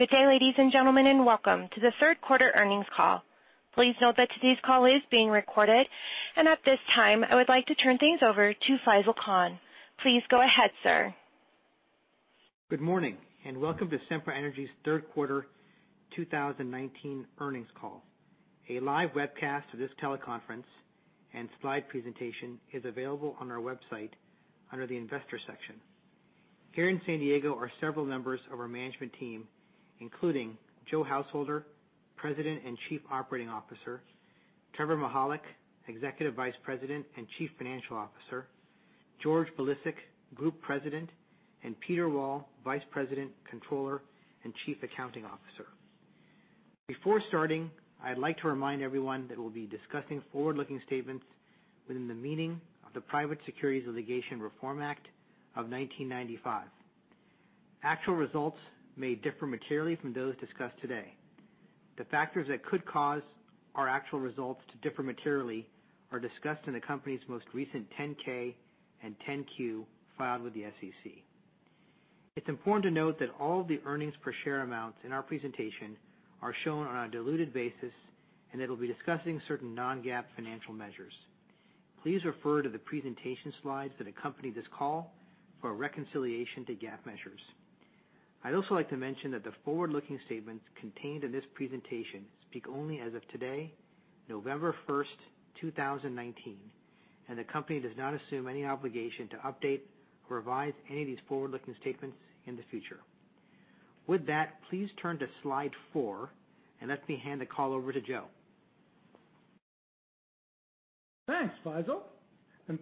Good day, ladies and gentlemen, and welcome to the third quarter earnings call. Please note that today's call is being recorded. At this time, I would like to turn things over to Faisel Khan. Please go ahead, sir. Good morning, welcome to Sempra Energy's third quarter 2019 earnings call. A live webcast of this teleconference and slide presentation is available on our website under the investor section. Here in San Diego are several members of our management team, including Joe Householder, President and Chief Operating Officer, Trevor Mihalik, Executive Vice President and Chief Financial Officer, George Bilicic, Group President, and Peter Wall, Vice President, Controller and Chief Accounting Officer. Before starting, I'd like to remind everyone that we'll be discussing forward-looking statements within the meaning of the Private Securities Litigation Reform Act of 1995. Actual results may differ materially from those discussed today. The factors that could cause our actual results to differ materially are discussed in the company's most recent 10-K and 10-Q filed with the SEC. It's important to note that all of the earnings per share amounts in our presentation are shown on a diluted basis, and that we'll be discussing certain non-GAAP financial measures. Please refer to the presentation slides that accompany this call for a reconciliation to GAAP measures. I'd also like to mention that the forward-looking statements contained in this presentation speak only as of today, November first, 2019, and the company does not assume any obligation to update or revise any of these forward-looking statements in the future. With that, please turn to Slide four, and let me hand the call over to Joe. Thanks, Faisel.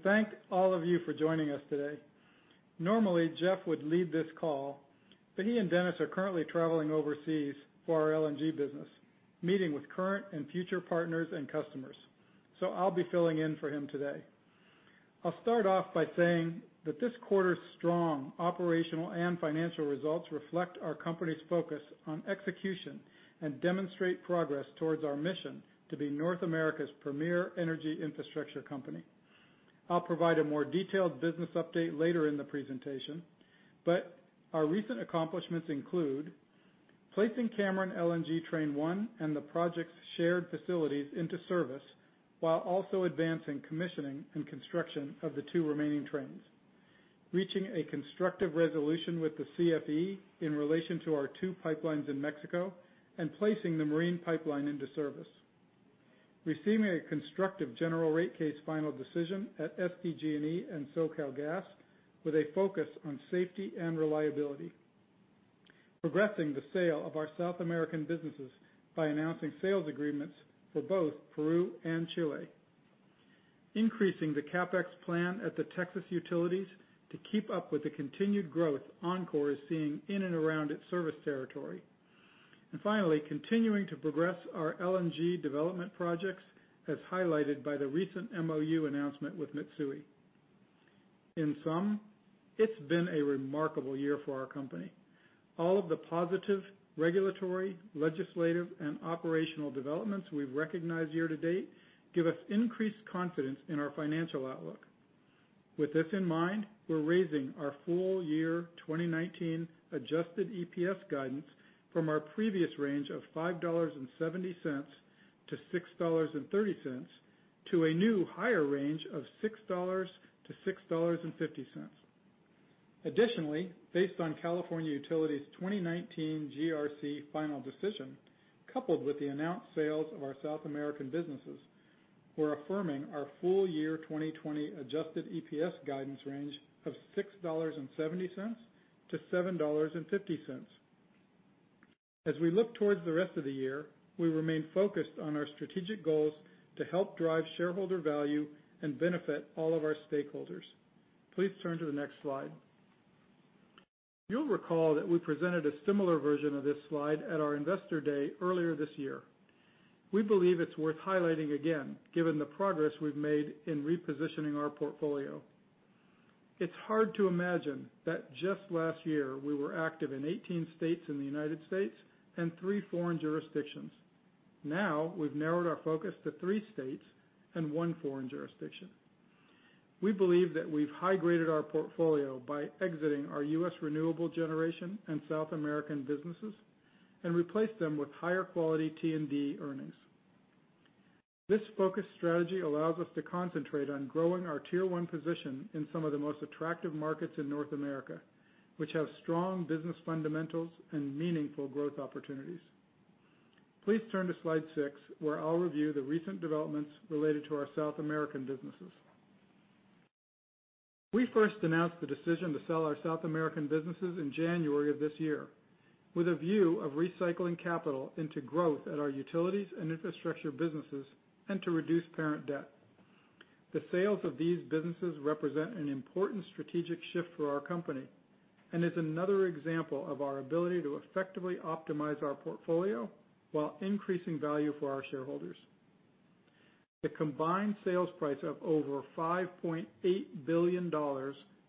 Thanks all of you for joining us today. Normally, Jeff would lead this call, but he and Dennis are currently traveling overseas for our LNG business, meeting with current and future partners and customers. I'll be filling in for him today. I'll start off by saying that this quarter's strong operational and financial results reflect our company's focus on execution and demonstrate progress towards our mission to be North America's premier energy infrastructure company. I'll provide a more detailed business update later in the presentation, but our recent accomplishments include: placing Cameron LNG Train 1 and the project's shared facilities into service while also advancing commissioning and construction of the 2 remaining trains. Reaching a constructive resolution with the CFE in relation to our two pipelines in Mexico and placing the marine pipeline into service. Receiving a constructive general rate case final decision at SDG&E and SoCalGas, with a focus on safety and reliability. Progressing the sale of our South American businesses by announcing sales agreements for both Peru and Chile. Increasing the CapEx plan at the Texas utilities to keep up with the continued growth Oncor is seeing in and around its service territory. Finally, continuing to progress our LNG development projects, as highlighted by the recent MoU announcement with Mitsui. In sum, it's been a remarkable year for our company. All of the positive regulatory, legislative, and operational developments we've recognized year to date give us increased confidence in our financial outlook. With this in mind, we're raising our full year 2019 adjusted EPS guidance from our previous range of $5.70-$6.30, to a new higher range of $6-$6.50. Additionally, based on California utility's 2019 GRC final decision, coupled with the announced sales of our South American businesses, we're affirming our full year 2020 adjusted EPS guidance range of $6.70-$7.50. As we look towards the rest of the year, we remain focused on our strategic goals to help drive shareholder value and benefit all of our stakeholders. Please turn to the next slide. You'll recall that we presented a similar version of this slide at our investor day earlier this year. We believe it's worth highlighting again, given the progress we've made in repositioning our portfolio. It's hard to imagine that just last year we were active in 18 states in the United States and three foreign jurisdictions. Now, we've narrowed our focus to three states and one foreign jurisdiction. We believe that we've high-graded our portfolio by exiting our U.S. renewable generation and South American businesses and replaced them with higher quality T and D earnings. This focused strategy allows us to concentrate on growing our tier 1 position in some of the most attractive markets in North America, which have strong business fundamentals and meaningful growth opportunities. Please turn to Slide six, where I'll review the recent developments related to our South American businesses. We first announced the decision to sell our South American businesses in January of this year with a view of recycling capital into growth at our utilities and infrastructure businesses and to reduce parent debt. The sales of these businesses represent an important strategic shift for our company and is another example of our ability to effectively optimize our portfolio while increasing value for our shareholders. The combined sales price of over $5.8 billion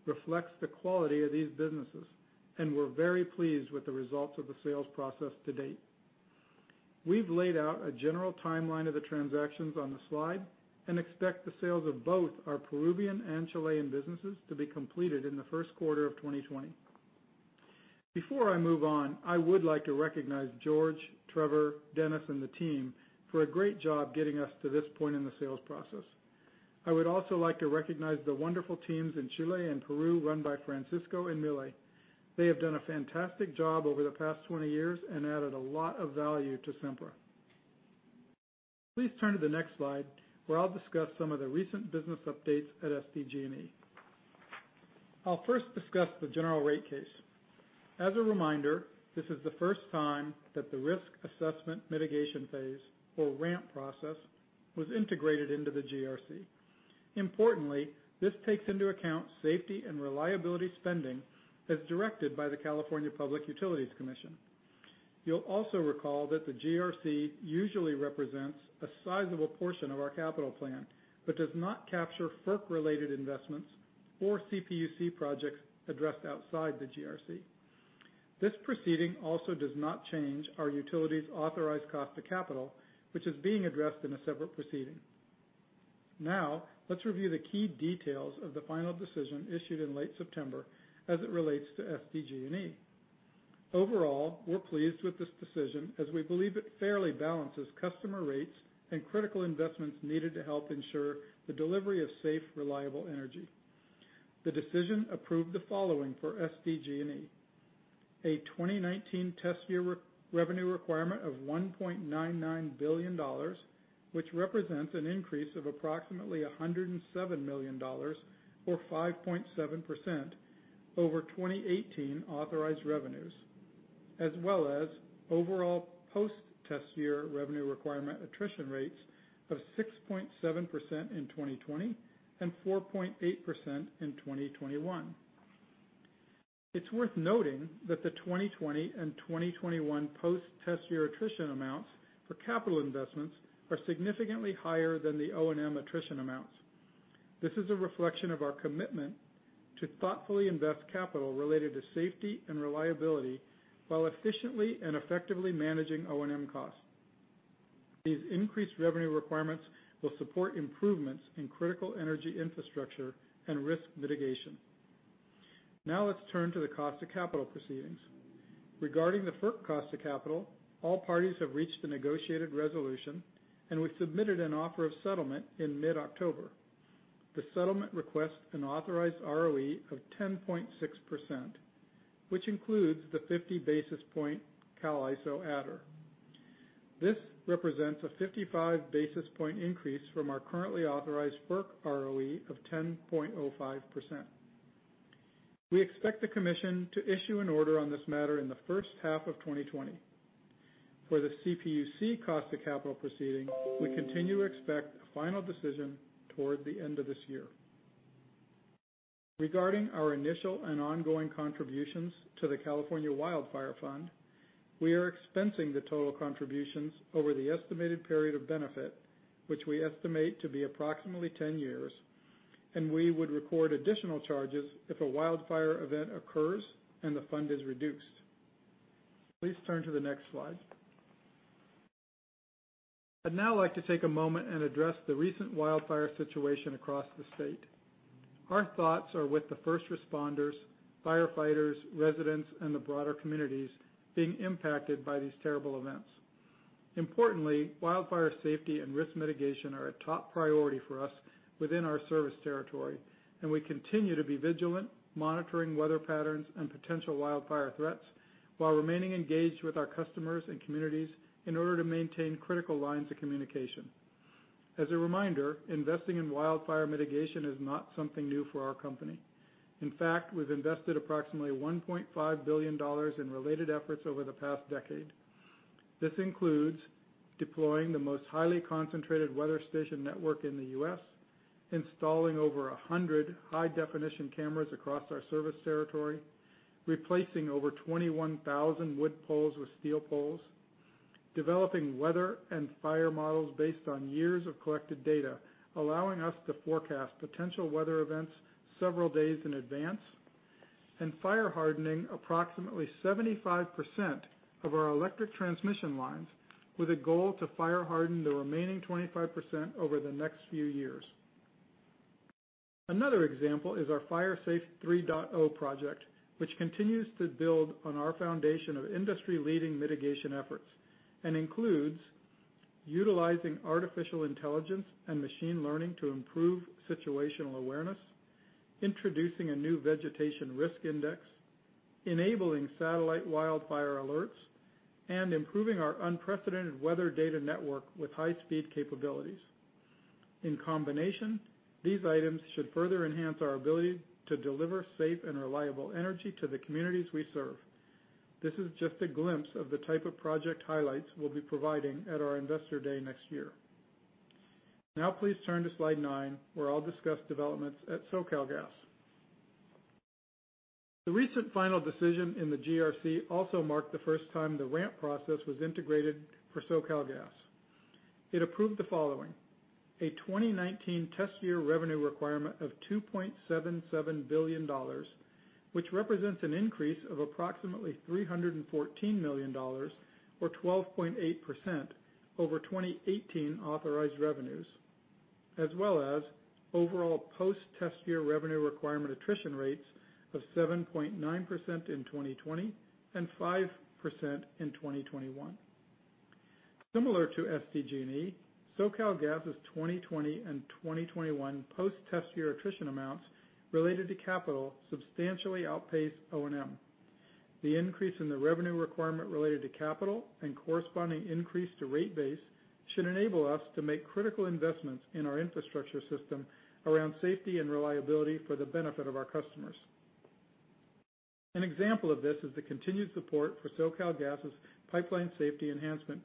reflects the quality of these businesses, and we're very pleased with the results of the sales process to date. We've laid out a general timeline of the transactions on the slide and expect the sales of both our Peruvian and Chilean businesses to be completed in the first quarter of 2020. Before I move on, I would like to recognize George, Trevor, Dennis, and the team for a great job getting us to this point in the sales process. I would also like to recognize the wonderful teams in Chile and Peru run by Francisco and Millie. They have done a fantastic job over the past 20 years and added a lot of value to Sempra. Please turn to the next slide where I'll discuss some of the recent business updates at SDG&E. I'll first discuss the general rate case. As a reminder, this is the first time that the risk assessment mitigation phase, or RAMP process, was integrated into the GRC. Importantly, this takes into account safety and reliability spending as directed by the California Public Utilities Commission. You'll also recall that the GRC usually represents a sizable portion of our capital plan, but does not capture FERC-related investments or CPUC projects addressed outside the GRC. This proceeding also does not change our utility's authorized cost of capital, which is being addressed in a separate proceeding. Let's review the key details of the final decision issued in late September as it relates to SDG&E. Overall, we're pleased with this decision as we believe it fairly balances customer rates and critical investments needed to help ensure the delivery of safe, reliable energy. The decision approved the following for SDG&E. A 2019 test year revenue requirement of $1.99 billion, which represents an increase of approximately $107 million, or 5.7%, over 2018 authorized revenues, as well as overall post-test year revenue requirement attrition rates of 6.7% in 2020 and 4.8% in 2021. It's worth noting that the 2020 and 2021 post-test year attrition amounts for capital investments are significantly higher than the O&M attrition amounts. This is a reflection of our commitment to thoughtfully invest capital related to safety and reliability while efficiently and effectively managing O&M costs. These increased revenue requirements will support improvements in critical energy infrastructure and risk mitigation. Now let's turn to the cost of capital proceedings. Regarding the FERC cost of capital, all parties have reached a negotiated resolution, and we've submitted an offer of settlement in mid-October. The settlement requests an authorized ROE of 10.6%, which includes the 50 basis point CAISO adder. This represents a 55 basis point increase from our currently authorized FERC ROE of 10.05%. We expect the commission to issue an order on this matter in the first half of 2020. For the CPUC cost of capital proceeding, we continue to expect a final decision toward the end of this year. Regarding our initial and ongoing contributions to the California Wildfire Fund, we are expensing the total contributions over the estimated period of benefit, which we estimate to be approximately 10 years, and we would record additional charges if a wildfire event occurs and the fund is reduced. Please turn to the next slide. I'd now like to take a moment and address the recent wildfire situation across the state. Our thoughts are with the first responders, firefighters, residents, and the broader communities being impacted by these terrible events. Importantly, wildfire safety and risk mitigation are a top priority for us within our service territory, and we continue to be vigilant, monitoring weather patterns and potential wildfire threats while remaining engaged with our customers and communities in order to maintain critical lines of communication. As a reminder, investing in wildfire mitigation is not something new for our company. In fact, we've invested approximately $1.5 billion in related efforts over the past decade. This includes deploying the most highly concentrated weather station network in the U.S., installing over 100 high-definition cameras across our service territory, replacing over 21,000 wood poles with steel poles, developing weather and fire models based on years of collected data, allowing us to forecast potential weather events several days in advance, and fire-hardening approximately 75% of our electric transmission lines with a goal to fire-harden the remaining 25% over the next few years. Another example is our Fire Safe 3.0 project, which continues to build on our foundation of industry-leading mitigation efforts and includes utilizing artificial intelligence and machine learning to improve situational awareness, introducing a new vegetation risk index, enabling satellite wildfire alerts, and improving our unprecedented weather data network with high-speed capabilities. In combination, these items should further enhance our ability to deliver safe and reliable energy to the communities we serve. This is just a glimpse of the type of project highlights we'll be providing at our investor day next year. Now please turn to slide nine, where I'll discuss developments at SoCalGas. The recent final decision in the GRC also marked the first time the RAMP process was integrated for SoCalGas. It approved the following: a 2019 test year revenue requirement of $2.77 billion, which represents an increase of approximately $314 million, or 12.8%, over 2018 authorized revenues, as well as overall post-test year revenue requirement attrition rates of 7.9% in 2020 and 5% in 2021. Similar to SDG&E, SoCalGas's 2020 and 2021 post-test year attrition amounts related to capital substantially outpace O&M. The increase in the revenue requirement related to capital and corresponding increase to rate base should enable us to make critical investments in our infrastructure system around safety and reliability for the benefit of our customers. An example of this is the continued support for SoCalGas's pipeline safety enhancement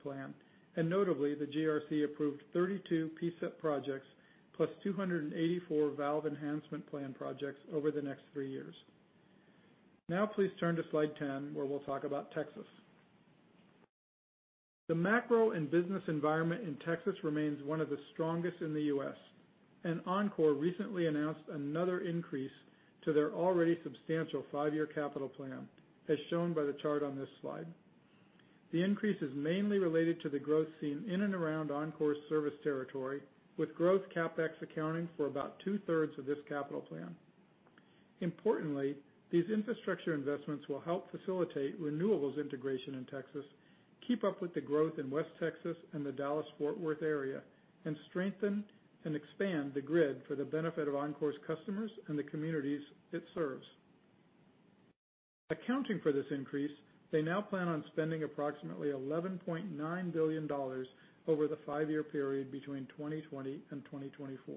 plan, and notably, the GRC-approved 32 PSEP projects plus 284 valve enhancement plan projects over the next three years. Please turn to slide 10, where we'll talk about Texas. The macro and business environment in Texas remains one of the strongest in the U.S., Oncor recently announced another increase to their already substantial five-year capital plan, as shown by the chart on this slide. The increase is mainly related to the growth seen in and around Oncor's service territory, with growth CapEx accounting for about two-thirds of this capital plan. Importantly, these infrastructure investments will help facilitate renewables integration in Texas, keep up with the growth in West Texas and the Dallas-Fort Worth area, and strengthen and expand the grid for the benefit of Oncor's customers and the communities it serves. Accounting for this increase, they now plan on spending approximately $11.9 billion over the five-year period between 2020 and 2024.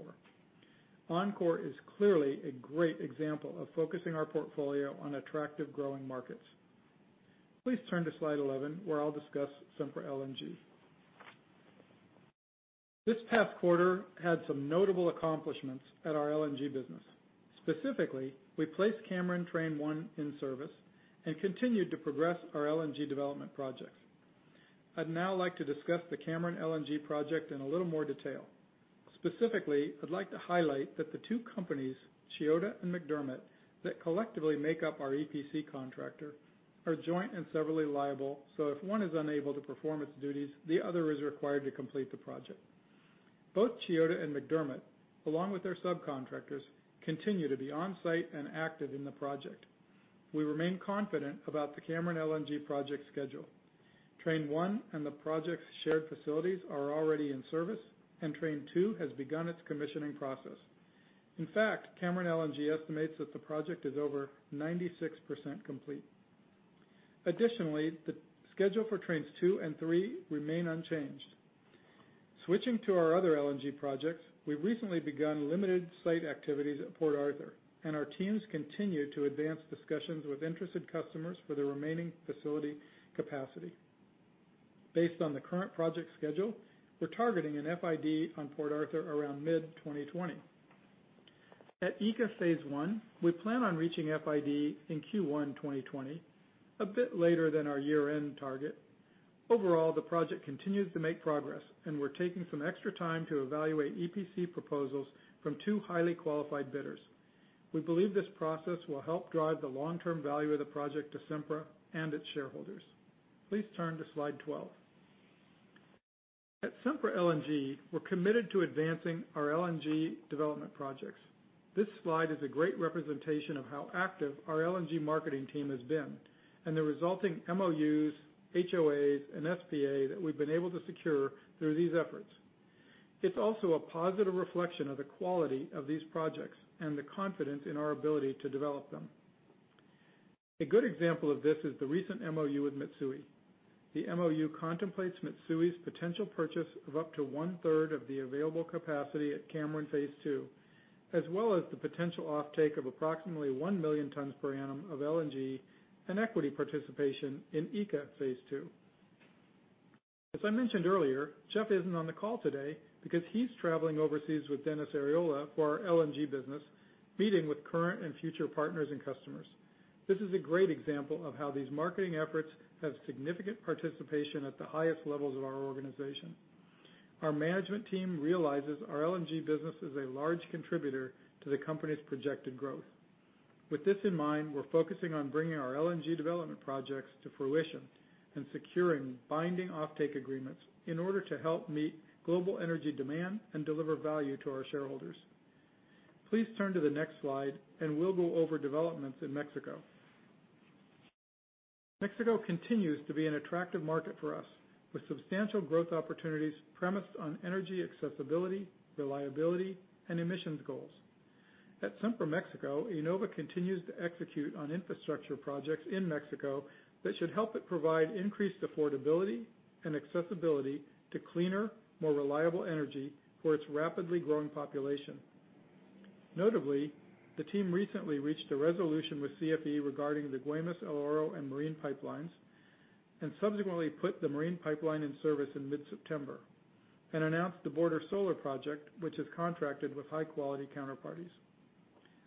Oncor is clearly a great example of focusing our portfolio on attractive growing markets. Please turn to slide 11, where I'll discuss Sempra LNG. This past quarter had some notable accomplishments at our LNG business. Specifically, we placed Cameron Train One in service and continued to progress our LNG development projects. I'd now like to discuss the Cameron LNG project in a little more detail. Specifically, I'd like to highlight that the two companies, Chiyoda and McDermott, that collectively make up our EPC contractor, are joint and severally liable, so if one is unable to perform its duties, the other is required to complete the project. Both Chiyoda and McDermott, along with their subcontractors, continue to be on-site and active in the project. We remain confident about the Cameron LNG project schedule. Train One and the project's shared facilities are already in service, and Train Two has begun its commissioning process. In fact, Cameron LNG estimates that the project is over 96% complete. Additionally, the schedule for Trains Two and Three remain unchanged. Switching to our other LNG projects, we've recently begun limited site activities at Port Arthur, and our teams continue to advance discussions with interested customers for the remaining facility capacity. Based on the current project schedule, we're targeting an FID on Port Arthur around mid-2020. At ECA Phase 1, we plan on reaching FID in Q1 2020, a bit later than our year-end target. Overall, the project continues to make progress, and we're taking some extra time to evaluate EPC proposals from two highly qualified bidders. We believe this process will help drive the long-term value of the project to Sempra and its shareholders. Please turn to slide 12. At Sempra LNG, we're committed to advancing our LNG development projects. This slide is a great representation of how active our LNG marketing team has been and the resulting MOUs, HOAs, and SPA that we've been able to secure through these efforts. It's also a positive reflection of the quality of these projects and the confidence in our ability to develop them. A good example of this is the recent MOU with Mitsui. The MOU contemplates Mitsui's potential purchase of up to one-third of the available capacity at Cameron Phase Two, as well as the potential offtake of approximately 1 million tons per annum of LNG and equity participation in ECA Phase Two. As I mentioned earlier, Jeff isn't on the call today because he's traveling overseas with Dennis Arriola for our LNG business, meeting with current and future partners and customers. This is a great example of how these marketing efforts have significant participation at the highest levels of our organization. Our management team realizes our LNG business is a large contributor to the company's projected growth. With this in mind, we're focusing on bringing our LNG development projects to fruition and securing binding offtake agreements in order to help meet global energy demand and deliver value to our shareholders. Please turn to the next slide, and we'll go over developments in Mexico. Mexico continues to be an attractive market for us, with substantial growth opportunities premised on energy accessibility, reliability, and emissions goals. At Sempra Mexico, IEnova continues to execute on infrastructure projects in Mexico that should help it provide increased affordability and accessibility to cleaner, more reliable energy for its rapidly growing population. Notably, the team recently reached a resolution with CFE regarding the Guaymas-El Oro and Marine Pipelines, and subsequently put the Marine Pipeline in service in mid-September and announced the Border Solar project, which is contracted with high-quality counterparties.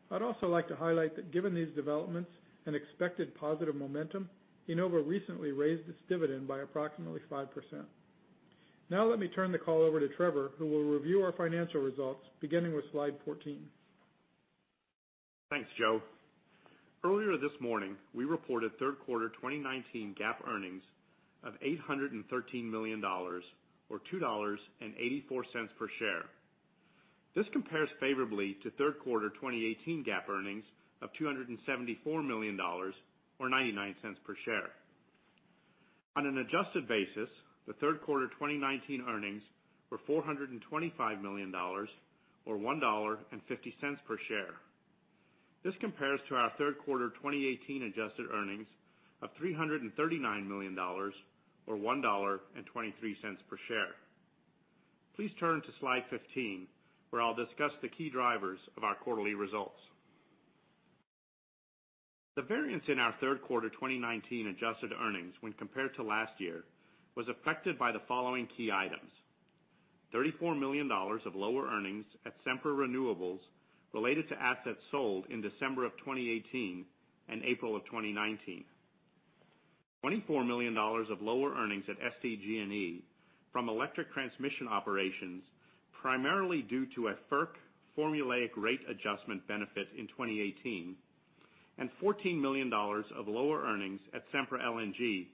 I'd also like to highlight that given these developments and expected positive momentum, IEnova recently raised its dividend by approximately 5%. Let me turn the call over to Trevor, who will review our financial results, beginning with slide 14. Thanks, Joe. Earlier this morning, we reported third quarter 2019 GAAP earnings of $813 million, or $2.84 per share. This compares favorably to third quarter 2018 GAAP earnings of $274 million, or $0.99 per share. On an adjusted basis, the third quarter 2019 earnings were $425 million, or $1.50 per share. This compares to our third quarter 2018 adjusted earnings of $339 million, or $1.23 per share. Please turn to slide 15, where I'll discuss the key drivers of our quarterly results. The variance in our third quarter 2019 adjusted earnings when compared to last year, was affected by the following key items. $34 million of lower earnings at Sempra Renewables related to assets sold in December of 2018 and April of 2019. $24 million of lower earnings at SDG&E from electric transmission operations, primarily due to a FERC formulaic rate adjustment benefit in 2018, and $14 million of lower earnings at Sempra LNG,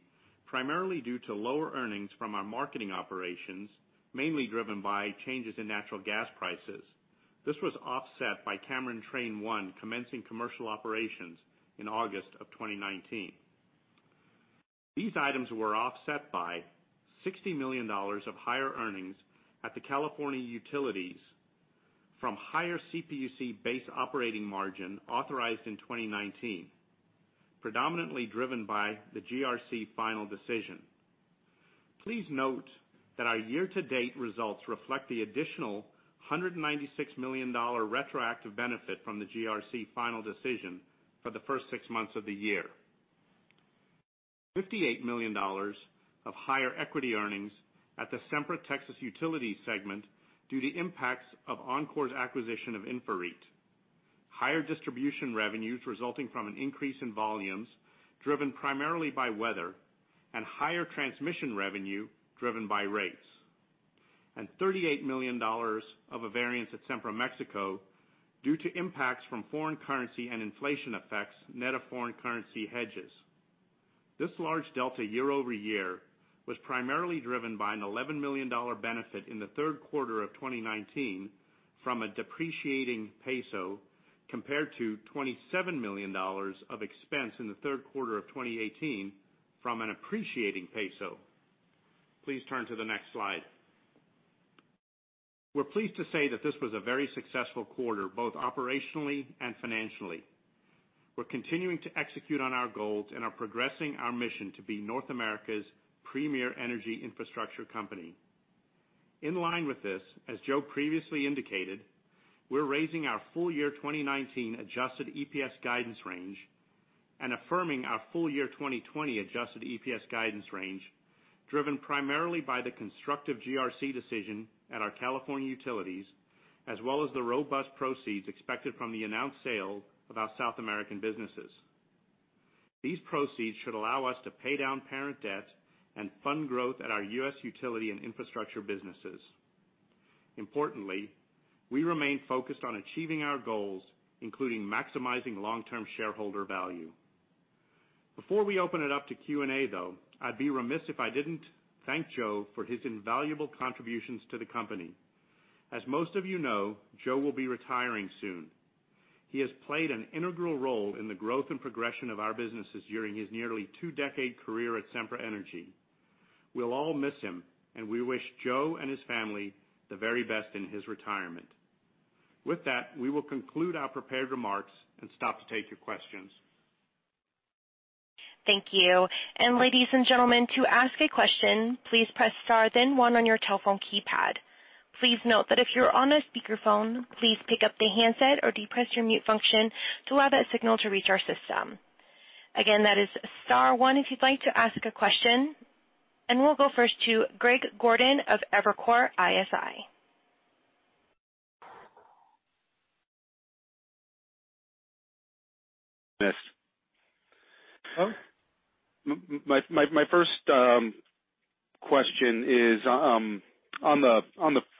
primarily due to lower earnings from our marketing operations, mainly driven by changes in natural gas prices. This was offset by Cameron Train One commencing commercial operations in August of 2019. These items were offset by $60 million of higher earnings at the California Utilities from higher CPUC base operating margin authorized in 2019, predominantly driven by the GRC final decision. Please note that our year-to-date results reflect the additional $196 million retroactive benefit from the GRC final decision for the first six months of the year. $58 million of higher equity earnings at the Sempra Texas Utilities segment due to impacts of Oncor's acquisition of InfraREIT. Higher distribution revenues resulting from an increase in volumes driven primarily by weather and higher transmission revenue driven by rates. $38 million of a variance at Sempra Mexico due to impacts from foreign currency and inflation effects, net of foreign currency hedges. This large delta year-over-year was primarily driven by an $11 million benefit in the third quarter of 2019 from a depreciating peso, compared to $27 million of expense in the third quarter of 2018 from an appreciating peso. Please turn to the next slide. We're pleased to say that this was a very successful quarter, both operationally and financially. We're continuing to execute on our goals and are progressing our mission to be North America's premier energy infrastructure company. In line with this, as Joe previously indicated, we're raising our full year 2019 adjusted EPS guidance range and affirming our full year 2020 adjusted EPS guidance range, driven primarily by the constructive GRC decision at our California utilities, as well as the robust proceeds expected from the announced sale of our South American businesses. These proceeds should allow us to pay down parent debt and fund growth at our U.S. utility and infrastructure businesses. Importantly, we remain focused on achieving our goals, including maximizing long-term shareholder value. Before we open it up to Q&A, though, I'd be remiss if I didn't thank Joe for his invaluable contributions to the company. As most of you know, Joe will be retiring soon. He has played an integral role in the growth and progression of our businesses during his nearly two-decade career at Sempra Energy. We'll all miss him, and we wish Joe and his family the very best in his retirement. With that, we will conclude our prepared remarks and stop to take your questions. Thank you. Ladies and gentlemen, to ask a question, please press star then one on your telephone keypad. Please note that if you're on a speakerphone, please pick up the handset or depress your mute function to allow that signal to reach our system. Again, that is star one if you'd like to ask a question. We'll go first to Greg Gordon of Evercore ISI. Yes. My first question is, on the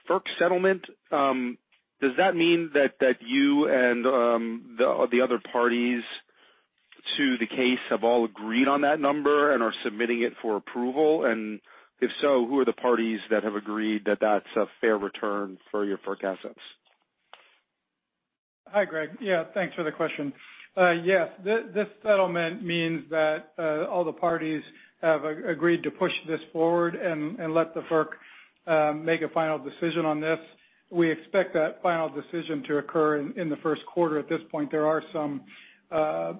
FERC settlement, does that mean that you and the other parties to the case have all agreed on that number and are submitting it for approval? If so, who are the parties that have agreed that that's a fair return for your FERC assets? Hi, Greg. Yeah, thanks for the question. Yes. This settlement means that all the parties have agreed to push this forward and let the FERC make a final decision on this. We expect that final decision to occur in the first quarter. At this point, there are some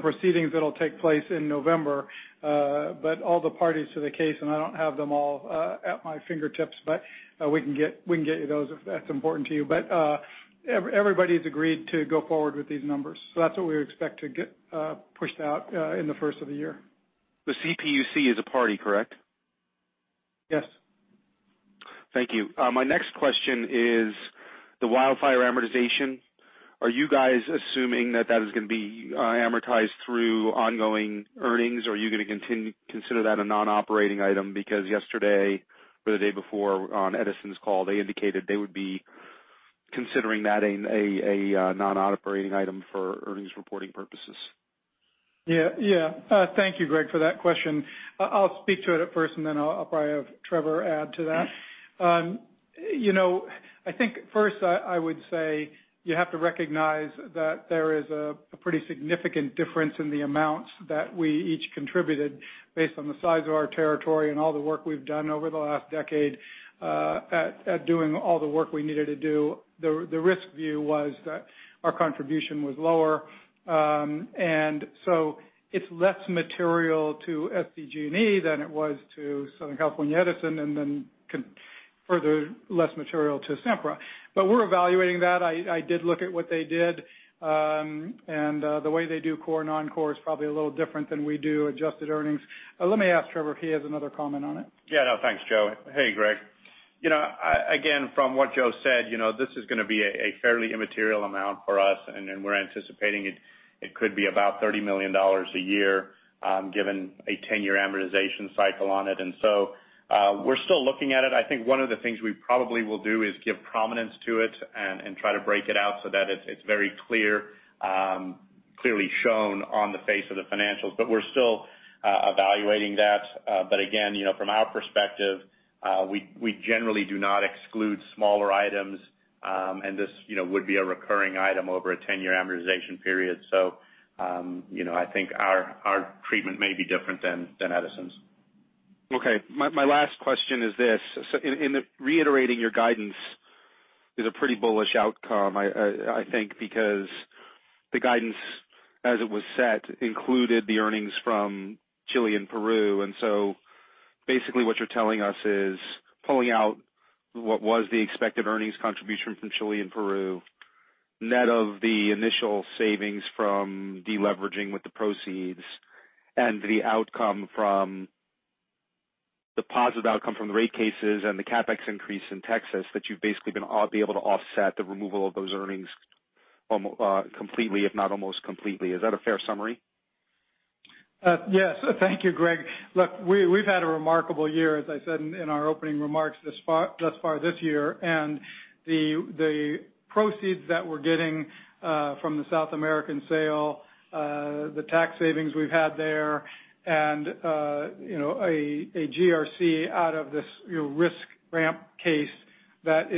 proceedings that'll take place in November. All the parties to the case, and I don't have them all at my fingertips, but we can get you those if that's important to you. Everybody's agreed to go forward with these numbers. That's what we expect to get pushed out in the first of the year. The CPUC is a party, correct? Yes. Thank you. My next question is the wildfire amortization. Are you guys assuming that that is going to be amortized through ongoing earnings, or are you going to consider that a non-operating item? Because yesterday or the day before on Edison's call, they indicated they would be considering that a non-operating item for earnings reporting purposes. Yeah. Thank you, Greg, for that question. I'll speak to it at first, and then I'll probably have Trevor add to that. I think first I would say you have to recognize that there is a pretty significant difference in the amounts that we each contributed based on the size of our territory and all the work we've done over the last decade, at doing all the work we needed to do. The risk view was that our contribution was lower. It's less material to SDG&E than it was to Southern California Edison, and then further less material to Sempra. We're evaluating that. I did look at what they did. The way they do core, non-core is probably a little different than we do adjusted earnings. Let me ask Trevor if he has another comment on it. Yeah, no. Thanks, Joe. Hey, Greg. From what Joe said, this is going to be a fairly immaterial amount for us. We're anticipating it could be about $30 million a year, given a 10-year amortization cycle on it. We're still looking at it. I think one of the things we probably will do is give prominence to it and try to break it out so that it's very clearly shown on the face of the financials. We're still evaluating that. Again, from our perspective, we generally do not exclude smaller items, and this would be a recurring item over a 10-year amortization period. I think our treatment may be different than Edison's. Okay. My last question is this. In reiterating your guidance is a pretty bullish outcome, I think, because the guidance, as it was set, included the earnings from Chile and Peru. Basically what you're telling us is pulling out what was the expected earnings contribution from Chile and Peru, net of the initial savings from de-leveraging with the proceeds and the positive outcome from the rate cases and the CapEx increase in Texas, that you've basically going to be able to offset the removal of those earnings completely, if not almost completely. Is that a fair summary? Yes. Thank you, Greg. Look, we've had a remarkable year, as I said in our opening remarks thus far this year. The proceeds that we're getting from the South American sale, the tax savings we've had there, and a GRC out of this risk RAMP case that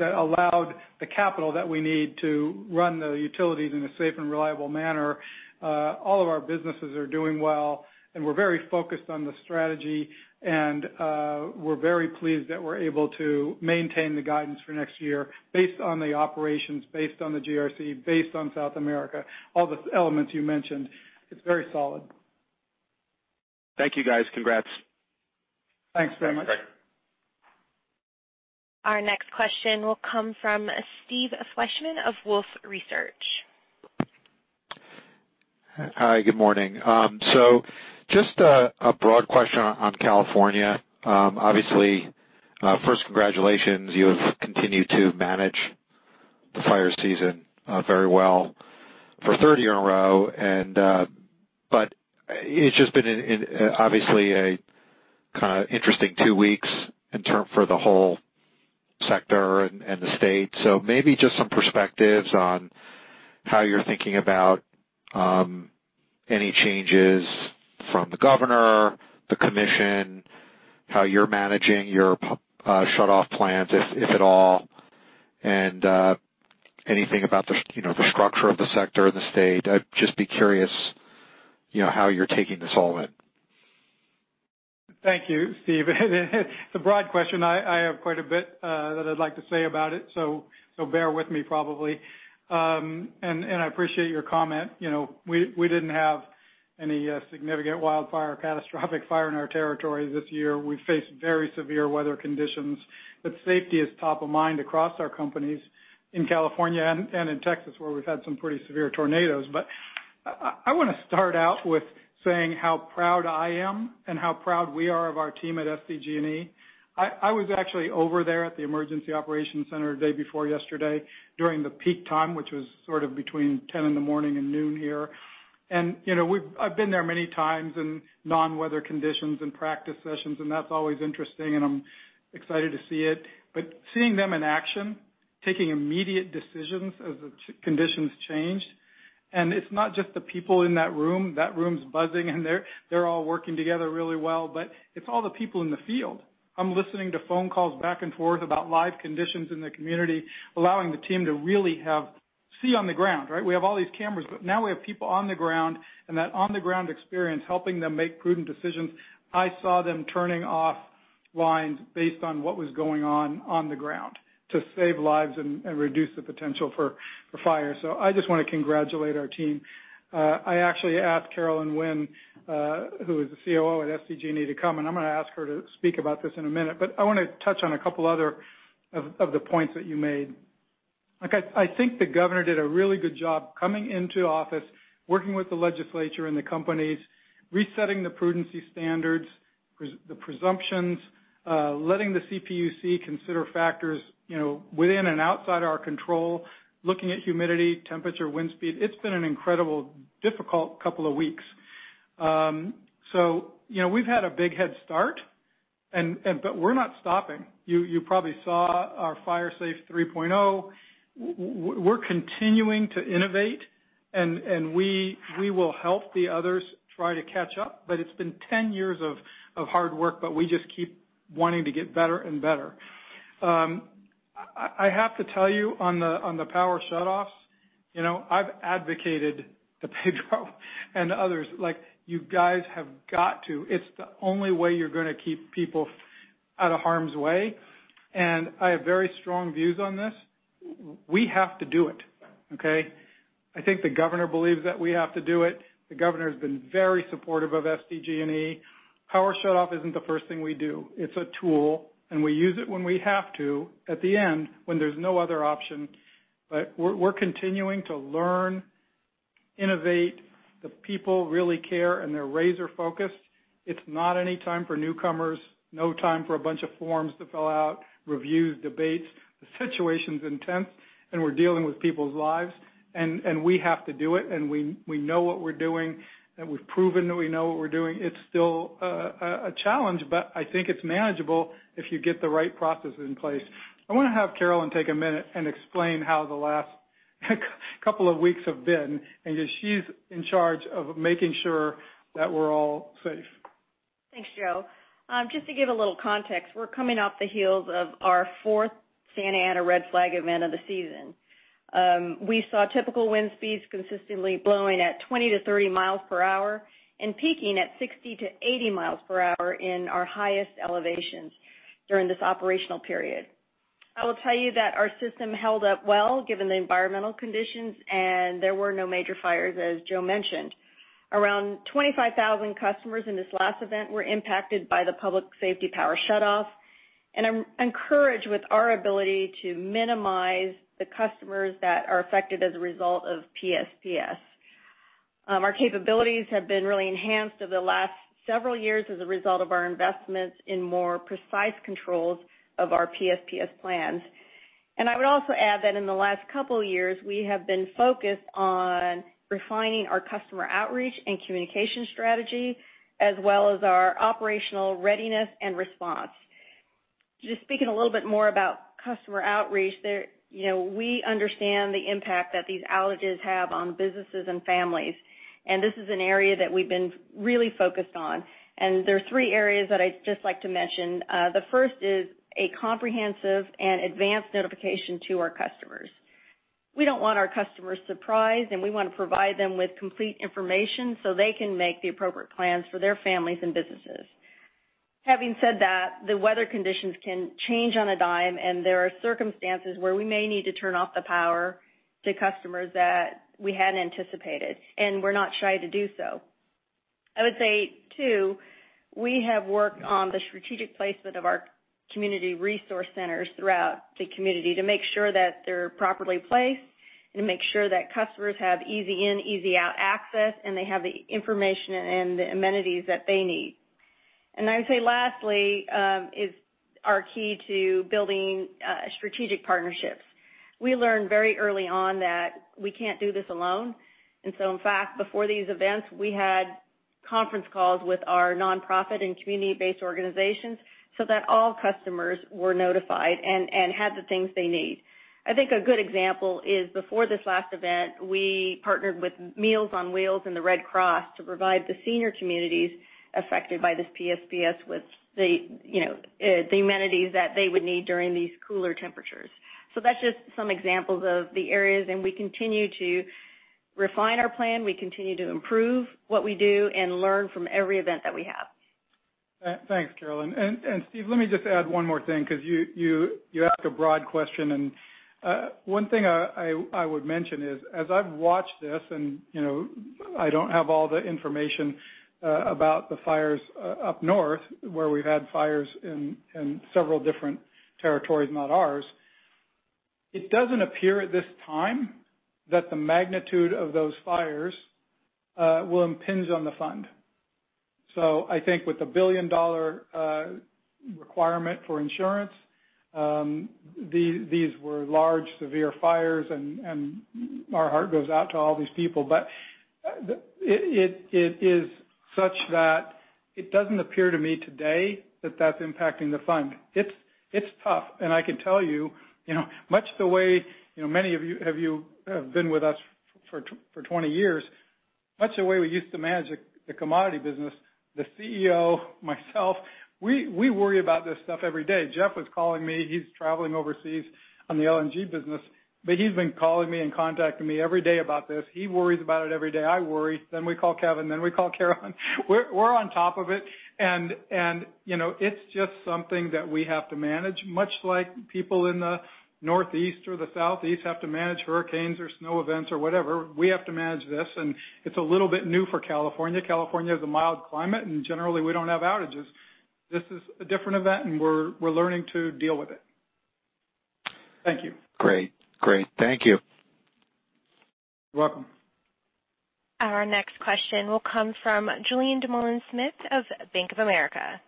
allowed the capital that we need to run the utilities in a safe and reliable manner. All of our businesses are doing well, we're very focused on the strategy, and we're very pleased that we're able to maintain the guidance for next year based on the operations, based on the GRC, based on South America, all the elements you mentioned. It's very solid. Thank you, guys. Congrats. Thanks very much. Thanks, Greg. Our next question will come from Steve Fleishman of Wolfe Research. Hi, good morning. Just a broad question on California. Obviously, first, congratulations. You have continued to manage the fire season very well for third year in a row. It's just been obviously a kind of interesting two weeks for the whole sector and the state. Maybe just some perspectives on how you're thinking about any changes from the governor, the commission, how you're managing your shutoff plans, if at all, and anything about the structure of the sector and the state. I'd just be curious how you're taking this all in. Thank you, Steve. It's a broad question. I have quite a bit that I'd like to say about it, so bear with me probably. I appreciate your comment. We didn't have any significant wildfire or catastrophic fire in our territory this year. We faced very severe weather conditions, but safety is top of mind across our companies in California and in Texas, where we've had some pretty severe tornadoes. I want to start out with saying how proud I am and how proud we are of our team at SDG&E. I was actually over there at the Emergency Operations Center the day before yesterday during the peak time, which was sort of between 10 in the morning and noon here. I've been there many times in non-weather conditions and practice sessions, and that's always interesting, and I'm excited to see it. Seeing them in action, taking immediate decisions as the conditions changed, and it's not just the people in that room. That room's buzzing, and they're all working together really well, but it's all the people in the field. I'm listening to phone calls back and forth about live conditions in the community, allowing the team to really see on the ground, right? We have all these cameras, but now we have people on the ground and that on-the-ground experience helping them make prudent decisions. I saw them turning off lines based on what was going on on the ground to save lives and reduce the potential for fire. I just want to congratulate our team. I actually asked Caroline Winn, who is the COO at SDG&E, to come, and I'm going to ask her to speak about this in a minute, but I want to touch on a couple other of the points that you made. Okay. I think the governor did a really good job coming into office, working with the legislature and the companies, resetting the prudency standards, the presumptions, letting the CPUC consider factors within and outside our control, looking at humidity, temperature, wind speed. It's been an incredibly difficult couple of weeks. We've had a big head start, but we're not stopping. You probably saw our Fire Safe 3.0. We're continuing to innovate, and we will help the others try to catch up, but it's been 10 years of hard work, but we just keep wanting to get better and better. I have to tell you on the power shutoffs, I've advocated to Pedro and others, like, "You guys have got to. It's the only way you're going to keep people out of harm's way." I have very strong views on this. We have to do it, okay? I think the governor believes that we have to do it. The governor's been very supportive of SDG&E. Power shutoff isn't the first thing we do. It's a tool, and we use it when we have to at the end, when there's no other option. We're continuing to learn, innovate. The people really care, and they're razor-focused. It's not any time for newcomers, no time for a bunch of forms to fill out, reviews, debates. The situation's intense, and we're dealing with people's lives, and we have to do it. We know what we're doing, and we've proven that we know what we're doing. It's still a challenge, but I think it's manageable if you get the right processes in place. I want to have Caroline take a minute and explain how the last couple of weeks have been, and she's in charge of making sure that we're all safe. Thanks, Joe. Just to give a little context, we're coming off the heels of our fourth Santa Ana Red Flag event of the season. We saw typical wind speeds consistently blowing at 20-30 miles per hour and peaking at 60-80 miles per hour in our highest elevations during this operational period. I will tell you that our system held up well given the environmental conditions. There were no major fires, as Joe mentioned. Around 25,000 customers in this last event were impacted by the Public Safety Power Shutoff. I'm encouraged with our ability to minimize the customers that are affected as a result of PSPS. Our capabilities have been really enhanced over the last several years as a result of our investments in more precise controls of our PSPS plans. I would also add that in the last couple of years, we have been focused on refining our customer outreach and communication strategy, as well as our operational readiness and response. Just speaking a little bit more about customer outreach, we understand the impact that these outages have on businesses and families, and this is an area that we've been really focused on. There are three areas that I'd just like to mention. The first is a comprehensive and advanced notification to our customers. We don't want our customers surprised, and we want to provide them with complete information so they can make the appropriate plans for their families and businesses. Having said that, the weather conditions can change on a dime, and there are circumstances where we may need to turn off the power to customers that we hadn't anticipated, and we're not shy to do so. I would say, two, we have worked on the strategic placement of our community resource centers throughout the community to make sure that they're properly placed and make sure that customers have easy in, easy out access, and they have the information and the amenities that they need. I would say lastly, is our key to building strategic partnerships. We learned very early on that we can't do this alone. In fact, before these events, we had conference calls with our nonprofit and community-based organizations so that all customers were notified and had the things they need. I think a good example is before this last event, we partnered with Meals on Wheels and the Red Cross to provide the senior communities affected by this PSPS with the amenities that they would need during these cooler temperatures. That's just some examples of the areas, and we continue to refine our plan, we continue to improve what we do and learn from every event that we have. Thanks, Carolyn. Steve, let me just add one more thing, because you asked a broad question, one thing I would mention is, as I've watched this, and I don't have all the information about the fires up north where we've had fires in several different territories, not ours, it doesn't appear at this time that the magnitude of those fires will impinge on the fund. I think with the $1 billion requirement for insurance, these were large, severe fires, and our heart goes out to all these people. It is such that it doesn't appear to me today that that's impacting the fund. It's tough, I can tell you, much the way many of you have been with us for 20 years, much the way we used to manage the commodity business, the CEO, myself, we worry about this stuff every day. Jeff was calling me. He's traveling overseas on the LNG business, but he's been calling me and contacting me every day about this. He worries about it every day. I worry. We call Kevin, then we call Carolyn. We're on top of it, and it's just something that we have to manage, much like people in the Northeast or the Southeast have to manage hurricanes or snow events or whatever. We have to manage this, and it's a little bit new for California. California is a mild climate, and generally, we don't have outages. This is a different event, and we're learning to deal with it. Thank you. Great. Thank you. Welcome. Our next question will come from Julien Dumoulin-Smith of Bank of America.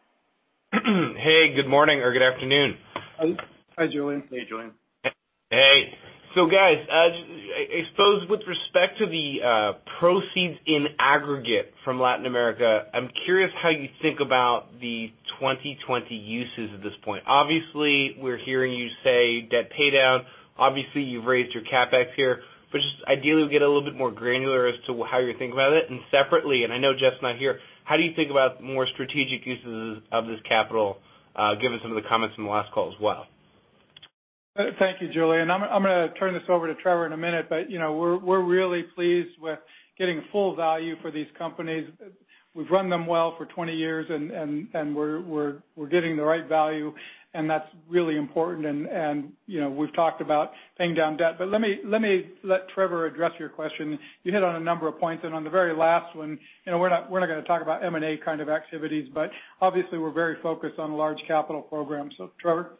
Hey, good morning or good afternoon. Hi, Julien. Hey, Julien. Hey. guys, I suppose with respect to the proceeds in aggregate from Latin America, I'm curious how you think about the 2020 uses at this point. Obviously, we're hearing you say debt paydown. Obviously, you've raised your CapEx here. just ideally we get a little bit more granular as to how you're thinking about it. separately, and I know Jeff's not here, how do you think about more strategic uses of this capital, given some of the comments from the last call as well? Thank you, Julien. I'm going to turn this over to Trevor in a minute. We're really pleased with getting full value for these companies. We've run them well for 20 years. We're getting the right value, and that's really important. We've talked about paying down debt. Let me let Trevor address your question. You hit on a number of points. On the very last one, we're not going to talk about M&A kind of activities. Obviously we're very focused on large capital programs. Trevor?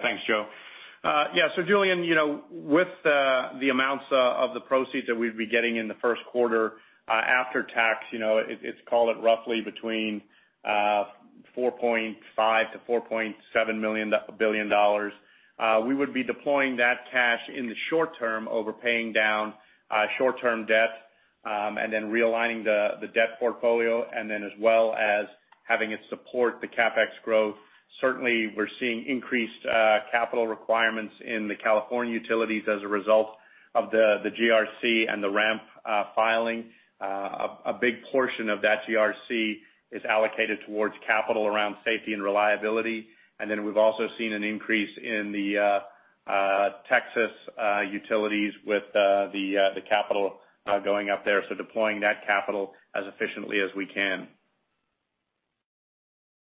Thanks, Joe. Julien, with the amounts of the proceeds that we'd be getting in the first quarter after tax, it's call it roughly between $4.5 billion-$4.7 billion. We would be deploying that cash in the short term over paying down short-term debt, realigning the debt portfolio, as well as having it support the CapEx growth. Certainly, we're seeing increased capital requirements in the California utilities as a result of the GRC and the RAMP filing. A big portion of that GRC is allocated towards capital around safety and reliability. We've also seen an increase in the Texas utilities with the capital going up there. Deploying that capital as efficiently as we can.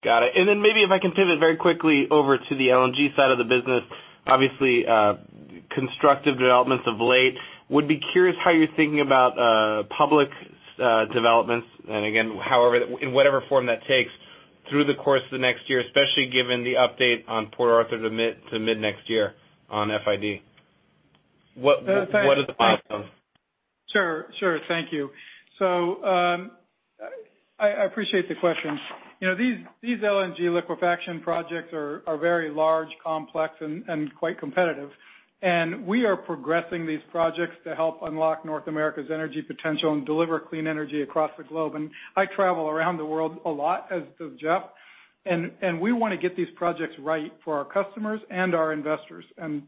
Got it. Maybe if I can pivot very quickly over to the LNG side of the business. Obviously, constructive developments of late. Would be curious how you're thinking about public developments, and again, in whatever form that takes, through the course of the next year, especially given the update on Port Arthur to mid next year on FID. What are the thoughts of? Sure. Thank you. I appreciate the question. These LNG liquefaction projects are very large, complex and quite competitive. We are progressing these projects to help unlock North America's energy potential and deliver clean energy across the globe. I travel around the world a lot, as does Jeff, and we want to get these projects right for our customers and our investors. In